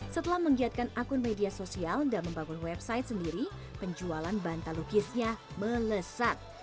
setelah menggiatkan akun media sosial dan membangun website sendiri penjualan bantal lukisnya melesat